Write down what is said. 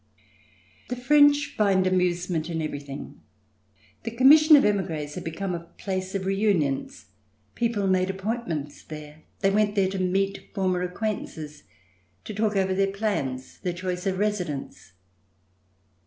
The French find amusement in everything. The Commission of emigres had become a place of re unions; people made appointments there; they went there to meet former acquaintances; to talk over their plans, their choice of residence.